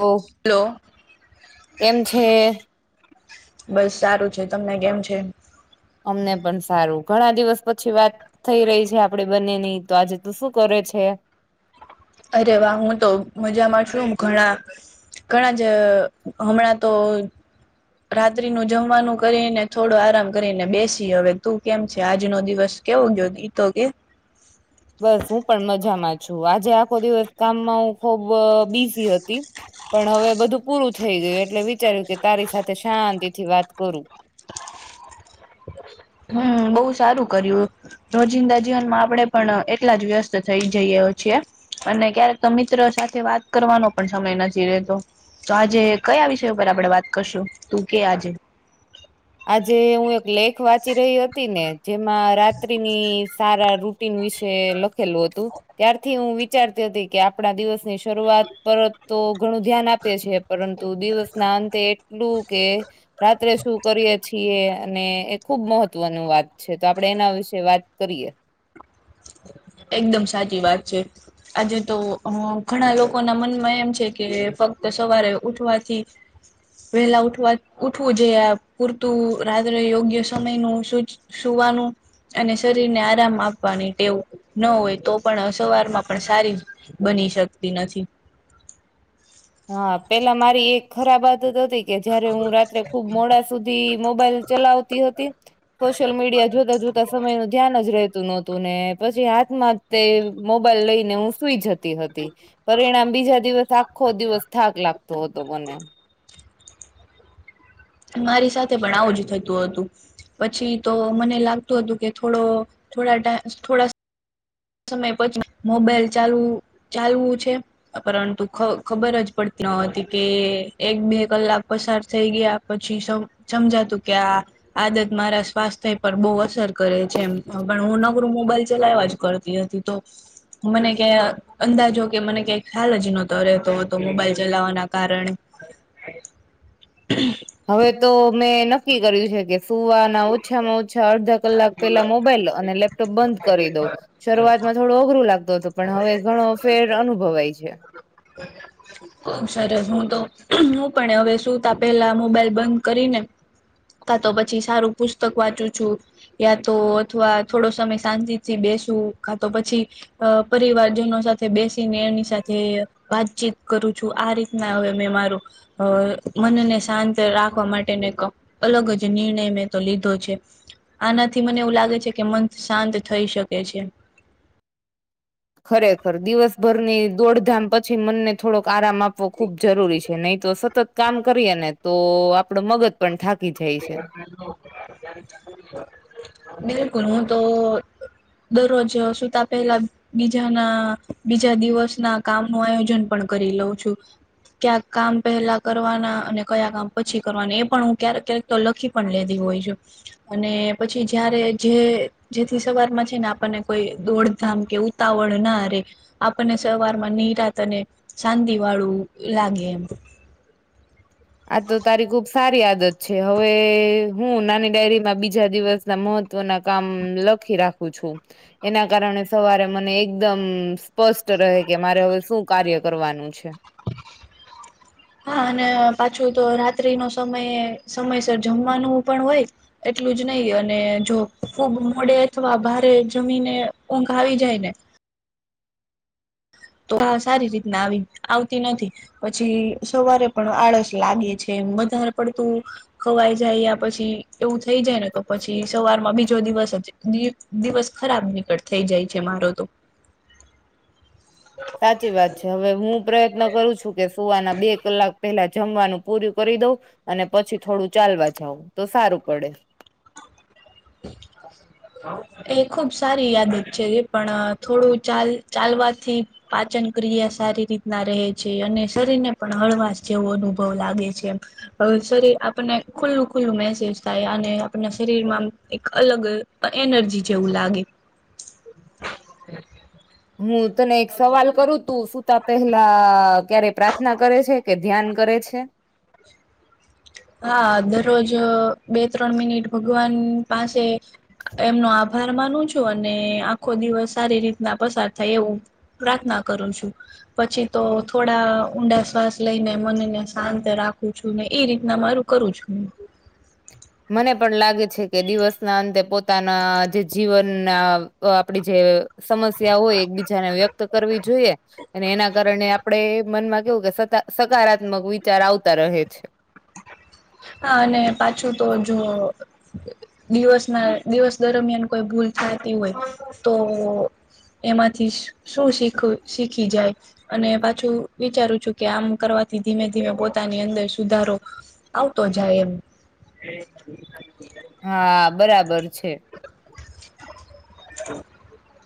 ઓ hello કેમ છે? બસ સારું છે તમને કેમ છે? અમને પણ સારું ઘણા દિવસ પછી વાત થઈ રહી છે આપડે બંને નહી તો આજે તો શું કરે છે? અરે વાહ હું તો મજામાં છું ઘણા ઘણા જ હમણાં તો રાત્રી નુ જમવાનું કરીને થોડો આરામ કરીને બેસી હવે તું કેમ છે આજનો દિવસ કેવો ગયો ઈતો કે? બસ હું પણ મજામાં છું આજે આખો દિવસ કામમાં હું ખુબ બીઝી હતી પણ હવે બધું પૂરું થેઈ ગયું એટલે વિચાર્યું કે તારી સાથે શાંતિ થી વાત કરું. હા હા બોઉ સારું કર્યું. રોજિંદા જીવનમાં આપડે પણ એટલા જ વ્યસ્ત થઈ જઈયે [unintelligible] અને ક્યારેક તો મિત્ર સાથે વાત કરવાનો પણ સમય નથી રેહતો. તો આજે કયા વિષય ઉપર આપડે વાત કરશું તું કે આજે? આજે હું એક લેખ વાંચી રેહી હતી ને જેમાં રાત્રિની સારા રૂટીન વિશે લખેલું હતું. ત્યારથી હું વિચારતી હતી કે આપણા દિવસની શરૂઆત પરત તો ઘણું ધ્યાન આપીએ છીએ. પરંતુ દિવસ ના અંતે એટલું કે રાત્રે શું કરીએ છીએ અને એ ખુબ મહત્વનું વાત છે તો આપડે એના વિશે વાત કરીએ. એકદમ સાચી વાત છે. આજે તો હ ઘણા લોકોના મનમાં એમ છે કે ફક્ત સવારે ઉઠવાથી વહેલા ઉઠવા ઉઠવું જોઈએ અ પૂરતું રાત્રે યોગ્ય સમય નું [unintelligible] સુવાનું અને શરીર ને આરામ આપવાની ટેવ ન હોય તો પણ સવારમાં પણ સારી બની શકતી નથી. હા પેહલા મારી એક ખરાબ આદત હતી કે જયારે હું રાત્રે ખુબ મોડા સુધી મોબાઈલ ચલાવતી હતી. સોશિયલ મીડિયા જોતા જોતા સમય નું ધ્યાનજ રહેતું નહોતું ને પછી હાથમાં તે મોબાઈલ લઈને હું સુઈ જત તી હતી પરિણામ બીજા દિવસ આખો દિવસ થાક લાગતો હતો મને. મારી સાથે પણ આવું જ થતું હતું. પછી તો મને લાગતું હતું કે થોડો થોડા [unintelligible] થોડા સમય [unintelligible] મોબાઈલ ચાલું ચાલવું છે. પરંતુ ખ ખબરજ પડતી ન હતી કે એક બે કલાક પસાર થઈ ગયા. પછી સમ સમજાતું કે આ આદત મારા સ્વાસ્થ્ય પર બોઉ અસર કરે છે એમ પણ હું નકરું મોબાઈલ ચલાવવા જ કર કેહતી તો મને કે અ અંદાજો કે મને ક્યાંઈ ખ્યાલ જ નહતો રહેતો હતો મોબાઈલ ચલાવવાના કારણે [inaudible] [unintelligible] હવે તો મેં નક્કી કર્યું છે કે સુવા [unintelligible] ઓછામાં ઓછા અડધા કલાક પેહલા મોબાઈલ અને લેપટોપ બંધ કરી દઉં. શરૂઆતમાં થોડું [unintelligible] લાગતું હતું પણ હવે ઘણો ફેર અનુભવાય છે. [unintelligible] સરસ હુંતો હું પણ હવે સુતા પેલા મોબાઈલ બંધ કરી ને કાતો પછી સારું પુસ્તક વાંચું છું. યાતો અથવા થોડો સમય શાંતિ થી બેસું કા તો પછી અ પરિવારજનો સાથે બેસીને એની સાથે વાતચીત કરું છું આ રીતના હવે મેં મારું અ મનને શાંત રાખવા માટેને [unintelligible] અલગ જ નિર્ણય મેં તો લીધો છે. આનાથી મને એવું લાગે છે કે મન શાંત થઈ શકે છે. ખરેખર દિવસ ભરની દોડધામ પછી મનને થોડોક આરામ આપવો ખૂબ જરૂરી છે નહી તો સતત કામ કરીએ ને તો આપડો મગજ પણ થાકી જાય. છે. [unintelligible] તો દરરોજ સૂતા પહેલા, બીજાના બીજા દિવસ ના કામ નું આયોજન પણ કરી લઉં છું. ક્યાં કામ પહેલા કરવાના અને કયા કામ પછી કરવાના એ પણ હું ક્યારેક કક તો લખી પણ લેધી હોય છુ. અને પછી જયારે જે જેથી સવારમાં છે ને આપણને કોઈ દોડધામ કે, એવું તાવલ ના રે, આપણને સવારમાં નિરાત અને શાંતિ વાળું લાગે એમ, આ તો તારી ખુબ સારી આદત છે હવે હું નાની ડાયરીમાં બીજા દિવસ, ના મહત્વના કામ લખી રાખું છું. એના કારણે સવારે મને એકદમ સ્પષ્ટ રહે કે મારે હવે શું કાર્ય કરવાનું છે. [inaudible] હા અને પાછું તો રાત્રિ નો સમય સમયસર જમવાનું પણ હોય. એટલું જ નહી અને જો ખૂબ મોડે અથવા ભારે જમીને ઊંઘ આવી જાય ને, તો સારી રીતના આવી આવતી નથી. પછી સવારે પણ આળસ લાગે છે વધારે પડતું, ખવાઈ જાય યા પછી એવું થઈ જાય ને કે પછી સવાર માં બીજો દિવસ જ, દ દિવસ ખરાબ નીકળ થઈ જાય છે મારો તો, સાચી વાત છે હવે હું પ્રયત્ન કરું કે, હુવાના બે કલાક પહેલા જમવાનું પૂરું કરી દઉં. અને પછી થોડું ચાલવા જાવ તો સારું પડે. [inaudible] એ ખુબ સારી આદત છે. એ પણ થોડું ચાલ ચાલવાથી. પાચન ક્રિયા સારી રીતના રહે છે અને શરીરને પણ હળવાશ જેવો અનુભવ લાગે છે એમ. હવે શરીર આપણને ખુલ્લું ખુલ્લું મેહસુસ થાય અને આપણને શરીરમાં, એક અલગ અ એનર્જી જેવું લાગે. હું તને એક સવાલ કરું તું સુુંતા પહેલા ક્યારે પ્રાર્થના કરે છે? કે ધ્યાન કરે છે? હા, દરરોજ બે ત્રણ મિનિટ ભગવાન પાસે, એમનો આભાર માનું છું અને આખો દિવસ સારી રીતના પસાર થાય એવું, પ્રાર્થના કરું છું. પછી તો થોડા ઊંડા શ્વાસ લઈને મનને શાંત રાખું છું ને એ રીતે ના મારું કરું છું. મને પણ લાગે છે કે દિવસના અંતે પોતાના જે જીવનના આપ આપડી જે, સમસ્યા હોય એકબીજાને વ્યક્ત કરવી જોઈએ. ને એના કારણે આપડે મનમાં કેવું કે સકા સકારાત્મક વિચાર આવતા રહે છ. હા, અને પાછું તો જો, દિવસ ના દિવસ દરમિયાન કોઈ ભૂલ થાતી હોય તો, એમાંથી શ શું શીખું શીખી જાય. અને પાછું વિચારું છું કે આમ કરવાથી ધીમે ધીમે પોતાની અંદર સુધારો આવતો જાય એમ. હા બરાબર છે. [inaudible]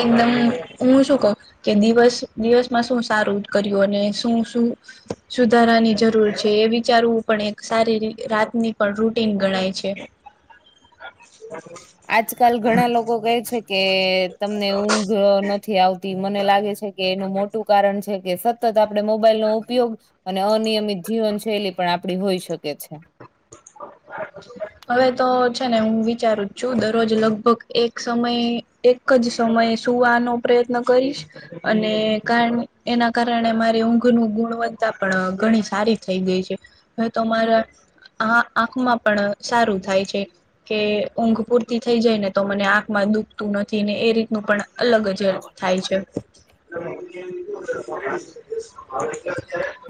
એકદમ હું શું કઉ, કે દિવસ દિવસમાં શું સારું કર્યું અને શું શું સુધારાની જરૂર છે એ વિચારવું પણ એક સારી રીત રાતની પણ એક રૂટીન ગણાય છે. આજકાલ ઘણા લોકો કહે છે. કે તમને ઊંઘ નથી આવતી મને લાગે છે કે એનું મોટું કારણ છે કે સત તત આપણે મોબાઈલ નો ઉપયોગ અને અનિયમિત જીવન શૈલી પણ આપડી હોઈ શકે છે. હવે તો છે ને હું વિચારું જ છું દરરોજ લગભગ એક સમય એક જ સમયે સુવાનો પ્રયત્ન કરીશ. અને કાર એના કારણે મારી ઊંઘ નુ ગુણવત્તા પણ ઘણી સારી થઈ ગઈ છે. હવે તો મારા આ આંખમાં પણ સારું થાય છે. કે ઊંઘ પૂરતી થઈ જાય ને તો મને આંખમાં દુખતું નથી ને એ રીતનું પણ અલગ જ થાય છે.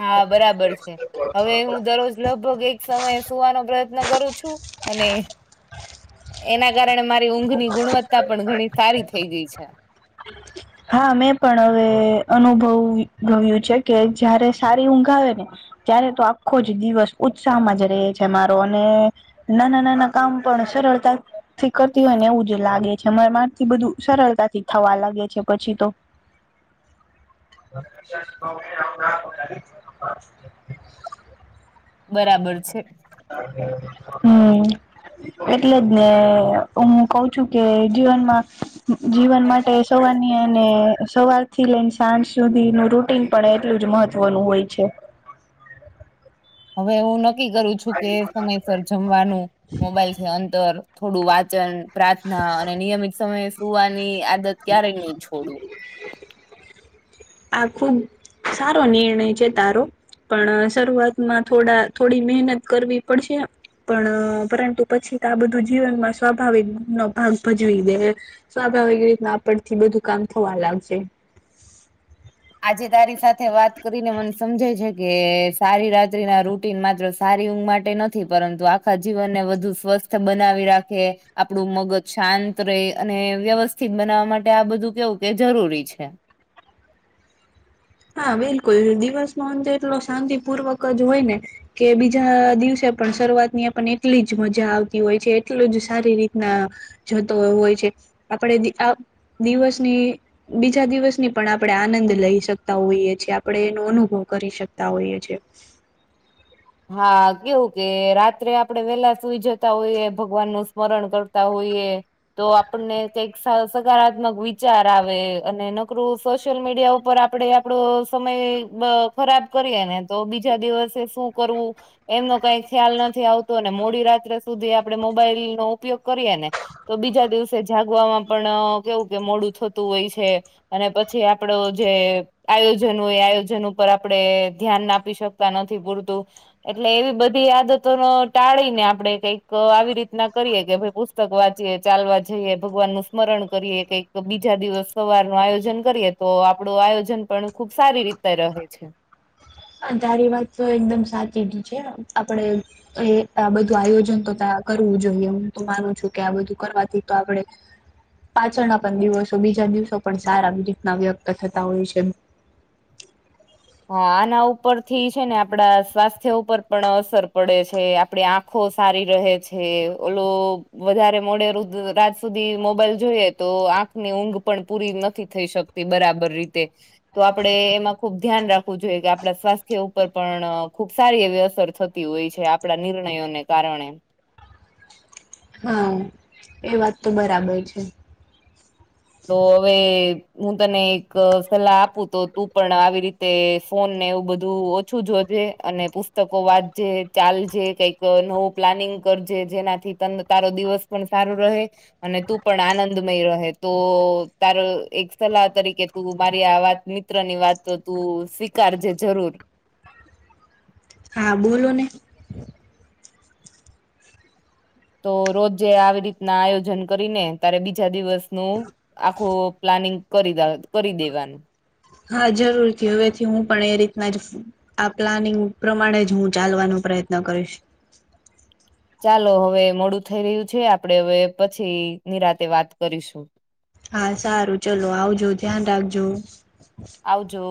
હા બરાબર છે, હવે હું દરરોજ લગભગ એક સમયે સુવાનો પ્રયત્ન કરું છું અને એના કારણે મારી ઊંઘ ની ગુણવત્તા પણ ઘણી સારી થઈ ગઈ છે. [inaudible] હા મેં પણ હવે અનુભવ ભવ્યું છે કે જયારે સારી ઊંઘ આવે ને ત્યારે તો આખો જ દિવસ ઉત્સાહમાં જ રહે છે મારો અને નાના નાના કામ પણ સરળતા થી કરતી હોય ને એવું જ લાગે છે. મન મારથી બધું સરળતાથી થવા લાગે છે પછી તો. [inaudible] બરાબર છે. હમ્મ. એટલે જ ને, હું કઉ છું, કે જીવનમાં જીવન માટે સવારની અને સવારથી લઈને સાંજ સુધીનું રૂટીન પણ એટલું જ મહત્વનું હોય છે. હવે હું નક્કી કરું છું, કે સમયસર જમવાનું મોબાઈલથી અંદર થોડું વાંચન, પ્રાર્થના અને નિયમિત સમયે સૂવાની આદત ક્યારે નહીં છોડું. આ ખુબ સારો નિર્ણય છે, તારો. પણ શરૂઆતમાં થોડા થોડી મહેનત કરવી પડશે. પણ પરંતુ પછી તો આ બધું જીવનમાં સ્વભાવી નો ભાગ ભજવી દે. સાધારણ રીતના આપડેથી બધું કામ થવા લાગશે. આજે તારી સાથે વાત કરીને મને સમજે જાય ગયું કે સારી રાત્રિના રૂટ માત્ર સારી ઊંઘ માટે નથી પરંતુ આખા જીવનને વધુ સ્વસ્થ બનાવી રાખે આપડું મગજ શાંત રહે અને વ્યવસ્થિત બનાવવા માટે આ બધું કેવું કે જરૂરી છે, હા, બિલકુલ દિવસમાં અંતે એટલો શાંતિપૂર્વક જ હોયને કે બીજા દિવસે પણ શરૂઆતની આપણને એટલી જ મજા આવતી હોય છે, એટલું જ સારી રીતના જતો હોય છે, આપણે આવ દિવસની બીજા દિવસની પણ આપણેે આનંદ લઈ શક તા હોઈએ છીએ, આપણે એનો અનુભવ કરી શકતા હોઈએ છીએ. હા, કેવું કે રાત્રે આપણેે વેલા સુઈ જતા હોઈએ, ભગવાનનું સ્મરણ કરતા હોઈએ. તો આપણને કંઈક સકારાત્મક વિચાર આવે અને નકરું સોશિયલ મીડિયા ઉપર આપડે વાત આપડો સમય ખરાબ કરીએ ને તો બીજા દિવસે શું કરવું એમનો કંઈ ખ્યાલ નથી, આવતો ને મોડી રાત્રે સુધી આપડે મોબાઈલનો ઉપયોગ કરીએને તો બીજા દિવસે જાગવામાં પણ કેવું કે મોડું થતું હોય છે અને પછી આપડો જે આયોજન હોય એ આયોજન ઉપર આપડે ધ્યાનના આપી શક તા નથી પૂરતું એટલે એવી બધી આદતો નો ટાળીને આપણે કંઈક આવી રીતના કરીએ કે ભાઈ પુસ્તકો વાંચીએ ચાલવા જઈએ, ભગવાનનું સ્મરણ કંઈક બીજા દિવસ સવારનું આયોજન કરીએ. તો આપણું આયોજન પણ ખુબ સારી રીતે રહે છે. આ તારી વાત તો એકદમ સાચી જ છે. આપણે એ આ બધું આયોજન તો ત્યાં કરવું જોઈએ હું તો માનું છું, કે આ બધું કરવાથી તો આપણે પાછળના પણ દિવસો બીજા દિવસો પણ સારા રીતના વ્યક્ત થતા હોય છે. હા આના ઉપરથી છે, ને આપણા સ્વાસ્થ્ય ઉપર પણ અસર પડે છે, આપણે આમ આંખો સારી રહે છે- ઓલું વધારે મોડે રાત સુધી મોબાઈલ જોઈએ તો આંખની ઊંઘ પણ પૂરી નથી થઈ શકતી. બરાબર રીતે તો આપણેે એમાં ખુબજ ધ્યાન રાખવું જોઈએ કે આપણા સ્વાસ્થ્ય ઉપર પણ ખૂબ સારી એવી અસર થતી હોય છે, આપણા નિર્ણયોને કારણે. હા એ વાત તો બરાબર છે. તો હવે હું તને એક સલાહ આપું તો તું પણ આવી રીતે ફોન ને એવું બધું ઓછું જોજે અને પુસ્તકો વાંચજે, ચાલજે, કંઈક નવું પ્લાનિંગ કરજે જેનાથી તારો દિવસ પણ સારું રહે અને તું પણ આનંદમય રહે. તો તારી એક સલાહ તરીકે તું મારી આ વાત મિત્ર ની વાત તો તું સ્વીકારજે જરૂર. હા બોલોને. તો રોજે આવી રીતના આયોજન કરીને તારે બીજા દિવસનું આખું પ્લાનિંગ કરી કરી દેવાનું. હા, જરૂરથી હવેથી હું પણ એ રીતના જ આ પ્લાનિંગ પ્રમાણે જ હું ચાલવાનો પ્રયત્ન કરીશ. ચાલો હવે મોડું થઈ રહ્યું છે, આપણે હવે પછી નિરાંતે વાત કરીશું. હા સારું, ચલો આવજો, ધ્યાન રાખજો. આવજો.